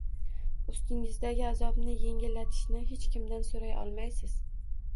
ustingizdagi azobni yengillatishni hech kimdan so‘ray olmaysiz.